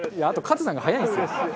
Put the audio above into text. あとカズさんが早いんですよ。